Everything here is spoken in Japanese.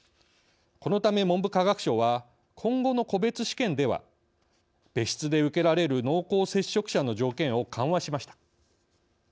このため、文部科学省は今後の個別試験では別室で受けられる濃厚接触者の条件を緩和しました。